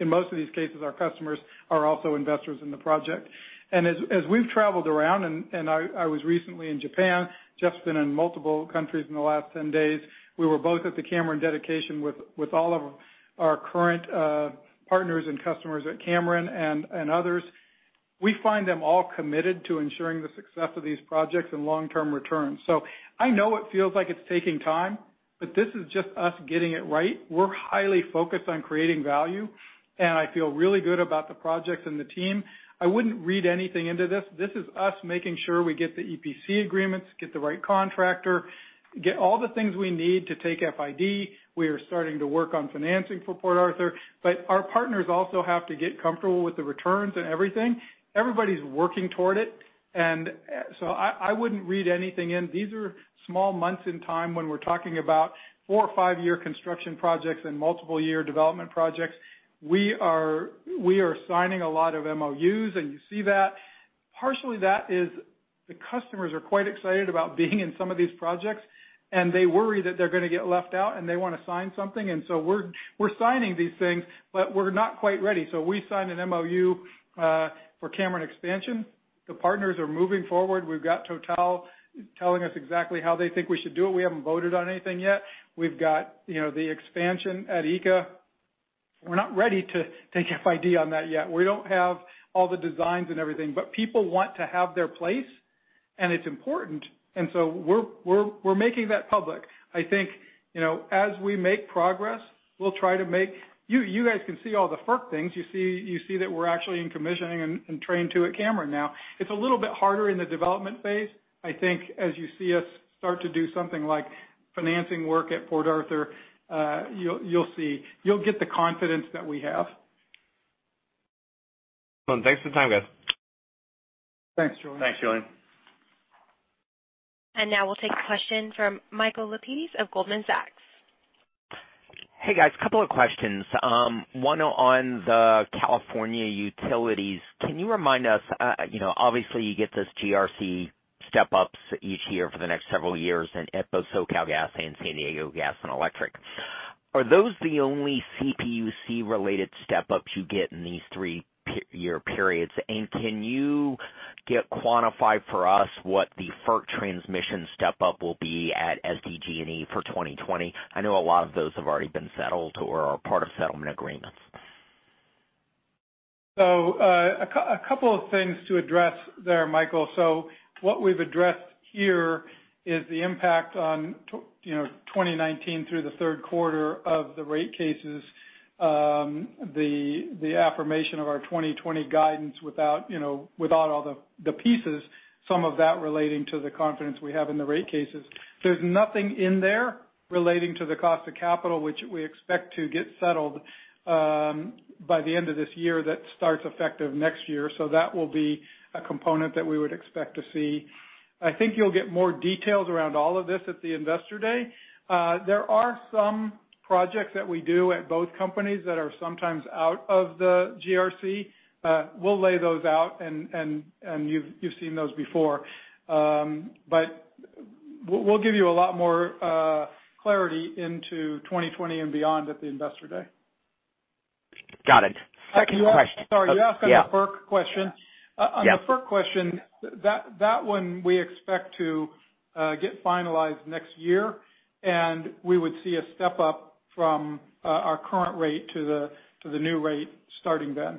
most of these cases, our customers are also investors in the project. As we've traveled around, and I was recently in Japan, Jeff's been in multiple countries in the last 10 days. We were both at the Cameron dedication with all of our current partners and customers at Cameron and others. We find them all committed to ensuring the success of these projects and long-term returns. I know it feels like it's taking time, but this is just us getting it right. We're highly focused on creating value, and I feel really good about the projects and the team. I wouldn't read anything into this. This is us making sure we get the EPC agreements, get the right contractor, get all the things we need to take FID. We are starting to work on financing for Port Arthur, but our partners also have to get comfortable with the returns and everything. Everybody's working toward it. I wouldn't read anything in. These are small months in time when we're talking about four- or five-year construction projects and multiple year development projects. We are signing a lot of MOUs, and you see that. Partially that is the customers are quite excited about being in some of these projects, and they worry that they're going to get left out, and they want to sign something. We're signing these things, but we're not quite ready. We signed an MOU for Cameron expansion. The partners are moving forward. We've got Total telling us exactly how they think we should do it. We haven't voted on anything yet. We've got the expansion at ECA. We're not ready to take FID on that yet. We don't have all the designs and everything. People want to have their place, and it's important, and we're making that public. I think, as we make progress, we'll try to make. You guys can see all the FERC things. You see that we're actually in commissioning and train 2 at Cameron now. It's a little bit harder in the development phase. I think as you see us start to do something like financing work at Port Arthur, you'll see. You'll get the confidence that we have. Thanks for the time, guys. Thanks, Julien. Thanks, Julien. Now we'll take a question from Michael Lapides of Goldman Sachs. Hey, guys. Couple of questions. One on the California utilities. Can you remind us, obviously you get this GRC step-ups each year for the next several years at both SoCalGas and San Diego Gas & Electric. Are those the only CPUC-related step-ups you get in these three-year periods? Can you get quantified for us what the FERC transmission step-up will be at SDG&E for 2020? I know a lot of those have already been settled or are part of settlement agreements. A couple of things to address there, Michael. What we've addressed here is the impact on 2019 through the third quarter of the rate cases, the affirmation of our 2020 guidance without all the pieces, some of that relating to the confidence we have in the rate cases. There's nothing in there relating to the cost of capital, which we expect to get settled by the end of this year, that starts effective next year. That will be a component that we would expect to see. I think you'll get more details around all of this at the Investor Day. There are some projects that we do at both companies that are sometimes out of the GRC. We'll lay those out, and you've seen those before. We'll give you a lot more clarity into 2020 and beyond at the Investor Day. Got it. Second question- Sorry, you asked on the FERC question. Yeah. On the FERC question, that one we expect to get finalized next year, and we would see a step-up from our current rate to the new rate starting then.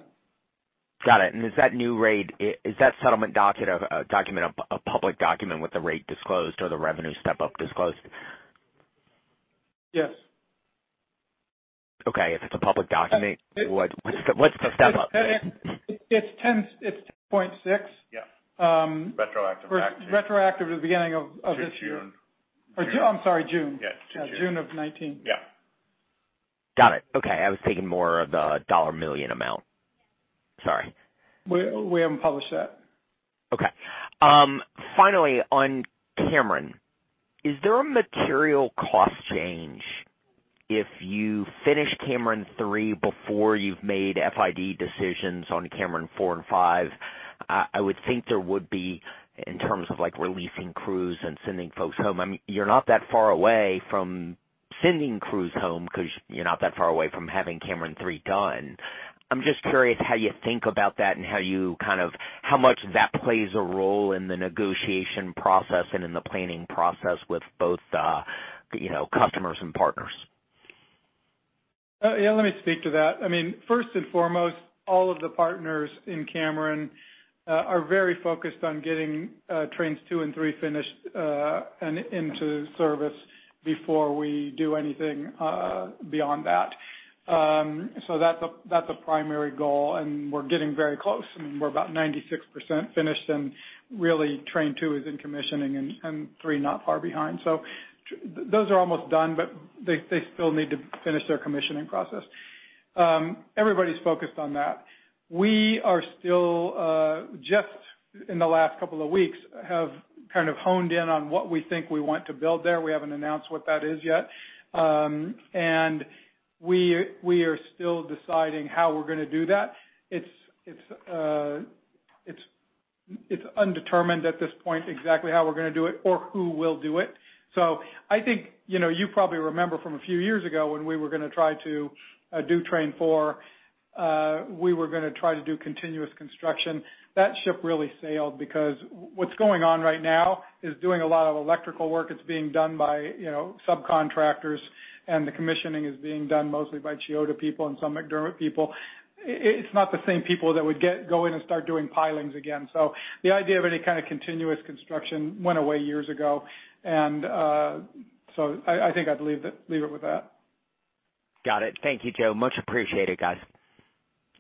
Got it. Is that new rate, is that settlement document a public document with the rate disclosed or the revenue step-up disclosed? Yes. Okay, if it's a public document, what's the step-up? It's 10.6. Yeah. Retroactive to the beginning of this year. To June. I'm sorry, June. Yes, to June. June of 2019. Yeah. Got it. Okay. I was thinking more of the dollar million amount. Sorry. We haven't published that. Okay. Finally, on Cameron, is there a material cost change if you finish Cameron three before you've made FID decisions on Cameron four and five? I would think there would be, in terms of releasing crews and sending folks home. You're not that far away from sending crews home because you're not that far away from having Cameron three done. I'm just curious how you think about that and how much that plays a role in the negotiation process and in the planning process with both the customers and partners. Yeah, let me speak to that. First and foremost, all of the partners in Cameron are very focused on getting trains 2 and 3 finished and into service before we do anything beyond that. That's a primary goal, and we're getting very close. We're about 96% finished, and really, train 2 is in commissioning, and 3 not far behind. Those are almost done, but they still need to finish their commissioning process. Everybody's focused on that. We are still just in the last couple of weeks have kind of honed in on what we think we want to build there. We haven't announced what that is yet. We are still deciding how we're going to do that. It's undetermined at this point exactly how we're going to do it or who will do it. I think you probably remember from a few years ago when we were going to try to do train four, we were going to try to do continuous construction. That ship really sailed because what's going on right now is doing a lot of electrical work that's being done by subcontractors, and the commissioning is being done mostly by Chiyoda people and some McDermott people. It's not the same people that would go in and start doing pilings again. The idea of any kind of continuous construction went away years ago, and so I think I'd leave it with that. Got it. Thank you, Joe. Much appreciated, guys.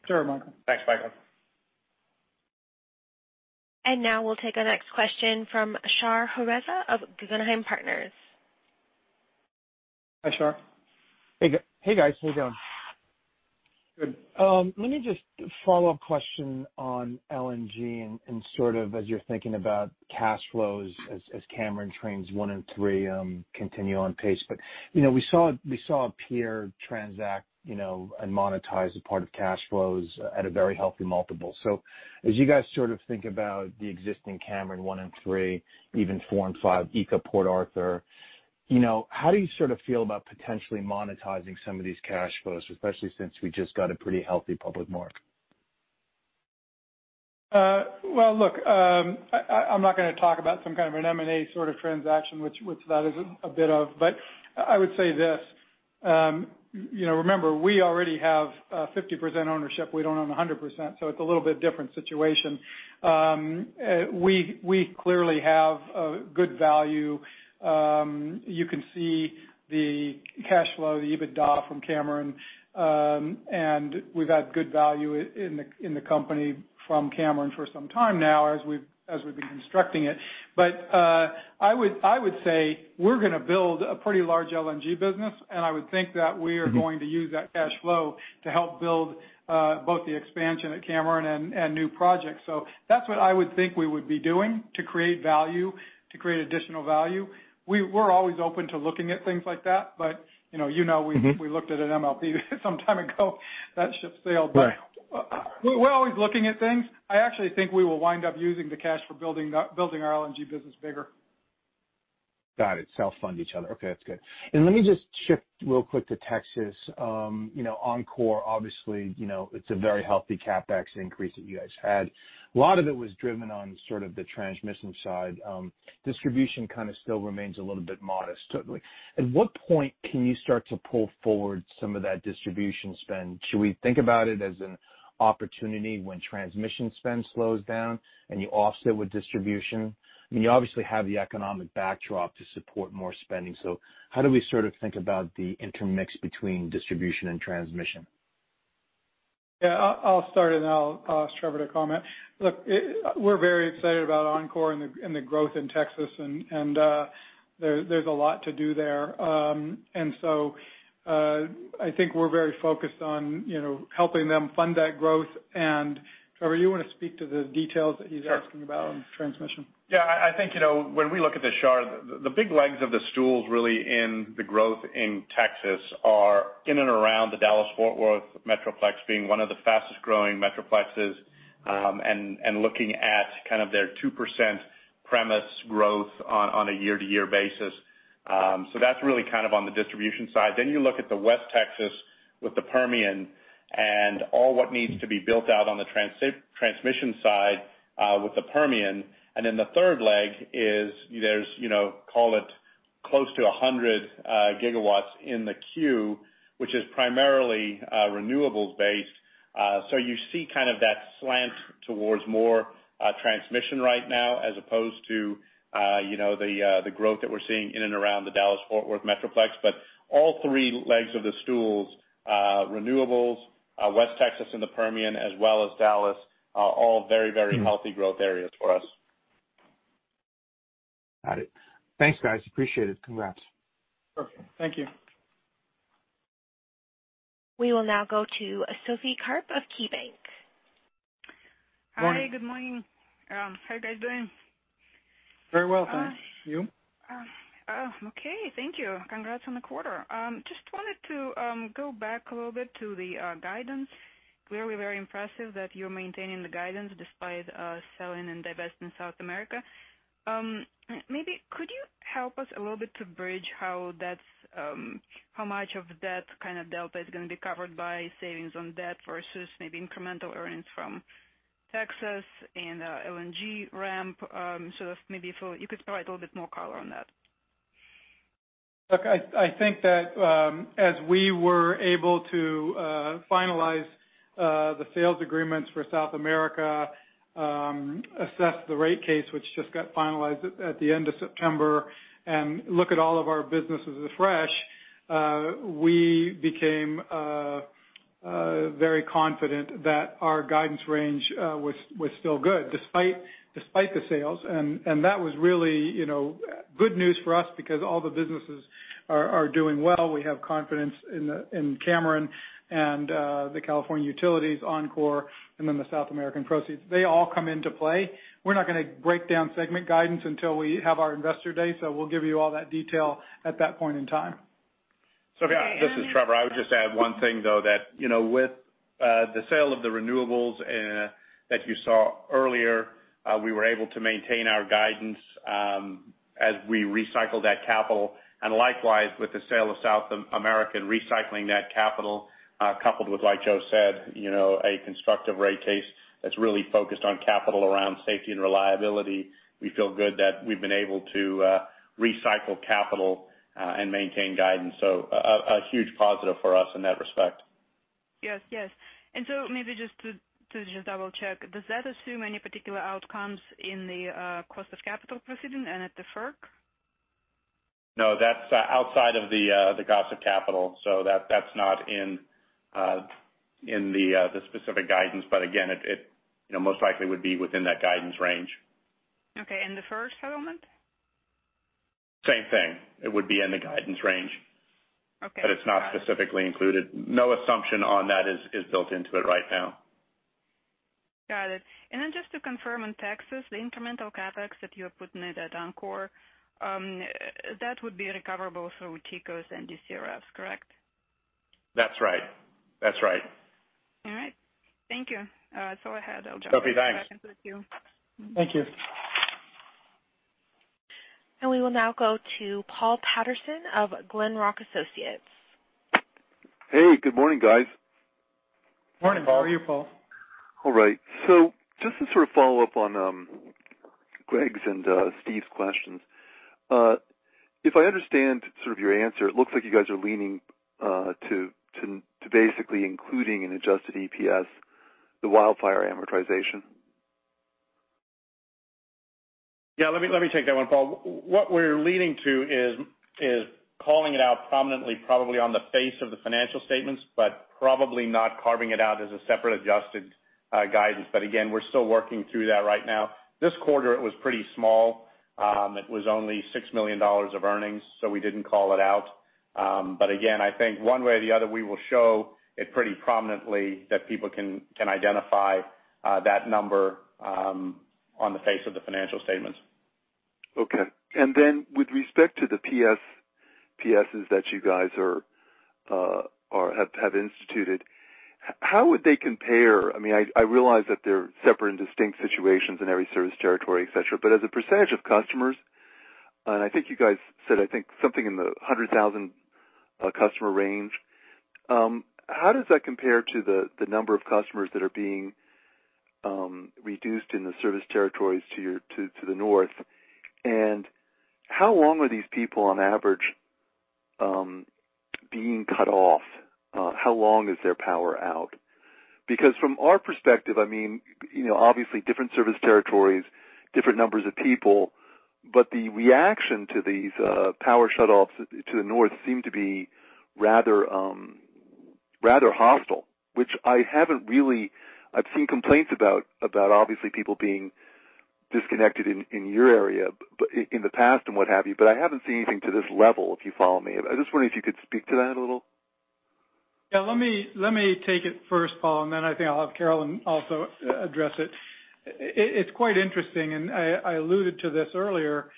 Sure, Michael. Thanks, Michael. Now we'll take our next question from Shahriar Pourreza of Guggenheim Partners. Hi, Shar. Hey, guys. How you doing? Good. Let me just follow-up question on LNG and sort of as you're thinking about cash flows as Cameron trains 1 and 3 continue on pace. We saw [Pierre] transact and monetize a part of cash flows at a very healthy multiple. As you guys think about the existing Cameron 1 and 3, even 4 and 5, ECA Port Arthur, how do you feel about potentially monetizing some of these cash flows, especially since we just got a pretty healthy public market? Well, look, I'm not going to talk about some kind of an M&A sort of transaction, which that is a bit of. I would say this. Remember, we already have a 50% ownership. We don't own 100%. It's a little bit different situation. We clearly have a good value. You can see the cash flow, the EBITDA from Cameron. We've had good value in the company from Cameron for some time now as we've been constructing it. I would say we're going to build a pretty large LNG business, and I would think that we are going to use that cash flow to help build both the expansion at Cameron and new projects. That's what I would think we would be doing to create value, to create additional value. We're always open to looking at things like that. You know we looked at an MLP some time ago. That ship sailed. Right. We're always looking at things. I actually think we will wind up using the cash for building our LNG business bigger. Got it. Self-fund each other. Okay, that's good. Let me just shift real quick to Texas. Oncor, obviously, it's a very healthy CapEx increase that you guys had. A lot of it was driven on sort of the transmission side. Distribution kind of still remains a little bit modest. Totally. At what point can you start to pull forward some of that distribution spend? Should we think about it as an opportunity when transmission spend slows down and you offset with distribution? You obviously have the economic backdrop to support more spending. How do we sort of think about the intermix between distribution and transmission? Yeah, I'll start and then I'll ask Trevor to comment. Look, we're very excited about Oncor and the growth in Texas. There's a lot to do there. I think we're very focused on helping them fund that growth. Trevor, you want to speak to the details that he's asking about on transmission? Yeah, I think, when we look at the chart, the big legs of the stools really in the growth in Texas are in and around the Dallas-Fort Worth metroplex being one of the fastest-growing metroplexes, and looking at kind of their 2% premise growth on a year-to-year basis. That's really kind of on the distribution side. You look at the West Texas with the Permian and all what needs to be built out on the transmission side with the Permian. The third leg is there's call it close to 100 gigawatts in the queue, which is primarily renewables-based. You see kind of that slant towards more transmission right now as opposed to the growth that we're seeing in and around the Dallas-Fort Worth metroplex. All three legs of the stools, renewables, West Texas, and the Permian as well as Dallas are all very healthy growth areas for us. Got it. Thanks, guys. Appreciate it. Congrats. Okay. Thank you. We will now go to Sophie Karp of KeyBanc. Morning. Hi, good morning. How are you guys doing? Very well. You? Okay. Thank you. Congrats on the quarter. Just wanted to go back a little bit to the guidance. Clearly very impressive that you're maintaining the guidance despite selling and divesting South America. Maybe could you help us a little bit to bridge how much of that kind of delta is going to be covered by savings on debt versus maybe incremental earnings from Texas and LNG ramp? Maybe if you could provide a little bit more color on that. Look, I think that as we were able to finalize the sales agreements for South America, assess the rate case which just got finalized at the end of September, and look at all of our businesses afresh, we became very confident that our guidance range was still good despite the sales. That was really good news for us because all the businesses are doing well. We have confidence in Cameron and the California utilities, Oncor, and then the South American proceeds. They all come into play. We're not going to break down segment guidance until we have our investor day. We'll give you all that detail at that point in time. Sophie, this is Trevor. I would just add one thing, though, that with the sale of the renewables that you saw earlier, we were able to maintain our guidance as we recycled that capital, and likewise with the sale of South American, recycling that capital, coupled with, like Joe said, a constructive rate case that's really focused on capital around safety and reliability. We feel good that we've been able to recycle capital and maintain guidance. A huge positive for us in that respect. Yes. Maybe just to double-check, does that assume any particular outcomes in the cost of capital proceeding and at the FERC? No, that's outside of the cost of capital, so that's not in the specific guidance. Again, it most likely would be within that guidance range. Okay. The FERC settlement? Same thing. It would be in the guidance range. Okay. It's not specifically included. No assumption on that is built into it right now. Got it. Then just to confirm on Texas, the incremental CapEx that you are putting it at Oncor, that would be recoverable through TCOS and DCRFs, correct? That's right. All right. Thank you. That's all I had. I'll jump back- Sophie, thanks. into the queue. Thank you. We will now go to Paul Patterson of Glenrock Associates. Hey, good morning, guys. Morning, Paul. How are you, Paul? All right. Just to sort of follow up on Greg's and Steve's questions, if I understand sort of your answer, it looks like you guys are leaning to basically including an adjusted EPS, the wildfire amortization. Yeah, let me take that one, Paul. What we're leaning to is calling it out prominently probably on the face of the financial statements, but probably not carving it out as a separate adjusted guidance. Again, we're still working through that right now. This quarter it was pretty small. It was only $6 million of earnings, so we didn't call it out. Again, I think one way or the other, we will show it pretty prominently that people can identify that number on the face of the financial statements. Okay. Then with respect to the PSPS that you guys have instituted, how would they compare? I realize that they're separate and distinct situations in every service territory, et cetera. As a percentage of customers, I think you guys said something in the 100,000 customer range, how does that compare to the number of customers that are being reduced in the service territories to the north? How long are these people on average being cut off? How long is their power out? From our perspective, obviously different service territories, different numbers of people. The reaction to these power shutoffs to the north seem to be rather hostile, which I've seen complaints about obviously people being disconnected in your area, in the past and what have you, but I haven't seen anything to this level, if you follow me. I'm just wondering if you could speak to that a little. Let me take it first, Paul. I think I'll have Caroline also address it. It's quite interesting. I alluded to this earlier.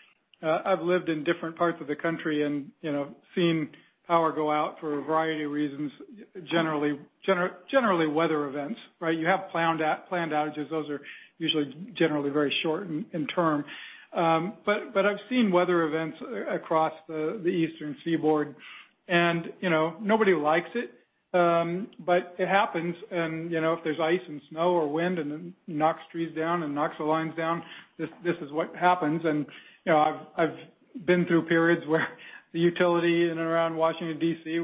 I've lived in different parts of the country, seen power go out for a variety of reasons, generally weather events, right? You have planned outages. Those are usually generally very short in term. I've seen weather events across the Eastern Seaboard. Nobody likes it. It happens. If there's ice and snow or wind, it knocks trees down and knocks the lines down, this is what happens. I've been through periods where the utility in and around Washington, D.C.,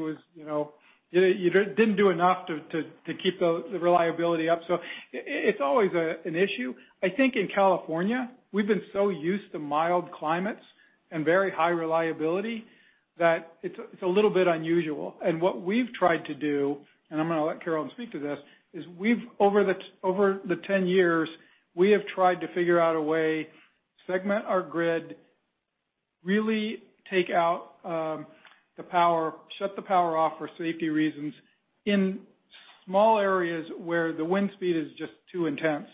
didn't do enough to keep the reliability up. It's always an issue. I think in California, we've been so used to mild climates and very high reliability that it's a little bit unusual. What we've tried to do, and I'm going to let Carolyn speak to this, is over the 10 years, we have tried to figure out a way, segment our grid, really take out the power, shut the power off for safety reasons in small areas where the wind speed is just too intense.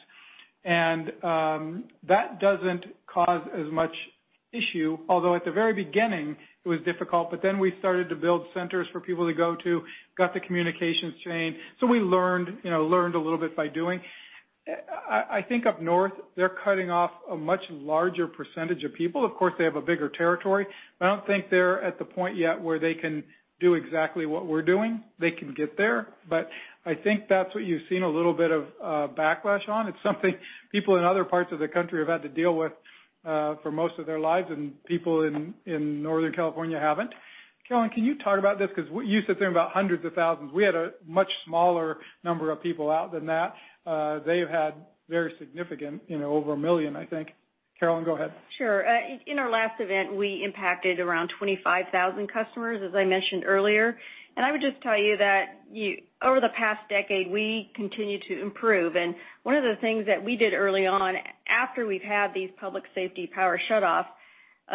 That doesn't cause as much issue, although at the very beginning it was difficult, but then we started to build centers for people to go to, got the communications chain. We learned a little bit by doing. I think up north, they're cutting off a much larger percentage of people. Of course, they have a bigger territory. I don't think they're at the point yet where they can do exactly what we're doing. They can get there, but I think that's what you've seen a little bit of backlash on. It's something people in other parts of the country have had to deal with for most of their lives. People in Northern California haven't. Caroline, can you talk about this? You said something about hundreds of thousands. We had a much smaller number of people out than that. They've had very significant, over a million, I think. Caroline, go ahead. Sure. In our last event, we impacted around 25,000 customers, as I mentioned earlier. I would just tell you that over the past decade, we continue to improve. One of the things that we did early on after we've had these Public Safety Power Shutoffs,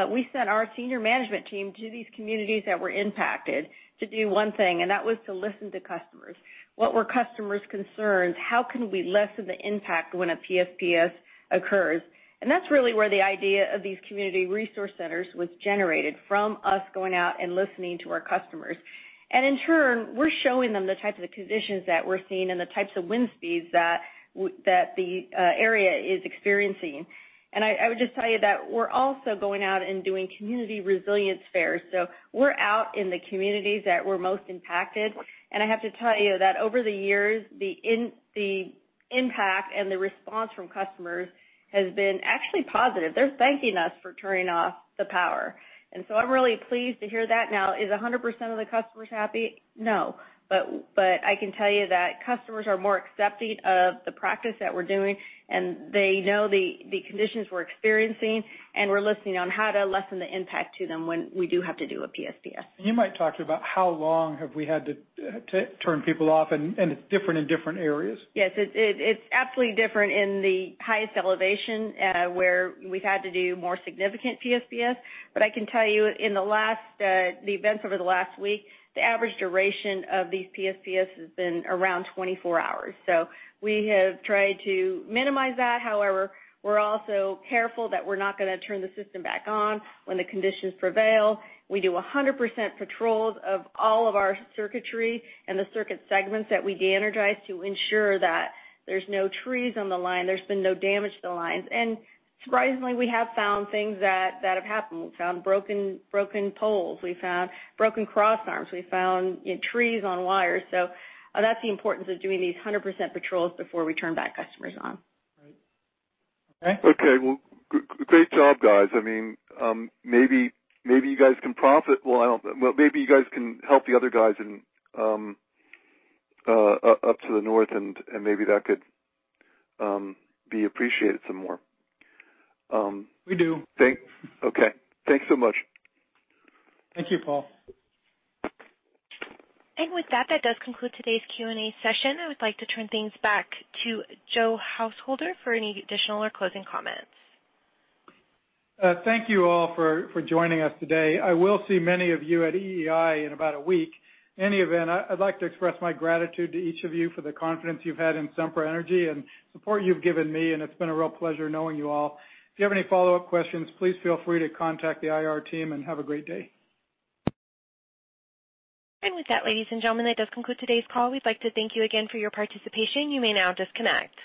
we sent our senior management team to these communities that were impacted to do one thing, and that was to listen to customers. What were customers' concerns? How can we lessen the impact when a PSPS occurs? That's really where the idea of these Community Resource Centers was generated, from us going out and listening to our customers. In turn, we're showing them the types of conditions that we're seeing and the types of wind speeds that the area is experiencing. I would just tell you that we're also going out and doing Community Resilience Fairs. We're out in the communities that were most impacted, and I have to tell you that over the years, the impact and the response from customers has been actually positive. They're thanking us for turning off the power. I'm really pleased to hear that. Now, is 100% of the customers happy? No. I can tell you that customers are more accepting of the practice that we're doing, and they know the conditions we're experiencing, and we're listening on how to lessen the impact to them when we do have to do a PSPS. You might talk about how long have we had to turn people off, and it's different in different areas. Yes. It's absolutely different in the highest elevation, where we've had to do more significant PSPS. I can tell you, in the events over the last week, the average duration of these PSPS has been around 24 hours. We have tried to minimize that. However, we're also careful that we're not going to turn the system back on when the conditions prevail. We do 100% patrols of all of our circuitry and the circuit segments that we de-energize to ensure that there's no trees on the line, there's been no damage to the lines. Surprisingly, we have found things that have happened. We've found broken poles. We've found broken cross arms. We've found trees on wires. That's the importance of doing these 100% patrols before we turn back customers on. Right. Okay. Okay. Well, great job, guys. Maybe you guys can help the other guys up to the north. Maybe that could be appreciated some more. We do. Okay. Thanks so much. Thank you, Paul. With that does conclude today's Q&A session. I would like to turn things back to Joseph Householder for any additional or closing comments. Thank you all for joining us today. I will see many of you at EEI in about a week. In any event, I'd like to express my gratitude to each of you for the confidence you've had in Sempra Energy and support you've given me, and it's been a real pleasure knowing you all. If you have any follow-up questions, please feel free to contact the IR team, and have a great day. With that, ladies and gentlemen, that does conclude today's call. We'd like to thank you again for your participation. You may now disconnect.